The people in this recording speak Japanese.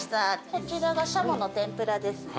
こちらがしゃもの天ぷらですね。